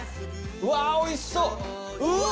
うわおいしそう！